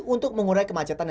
untuk mengurangi kondisi kondisi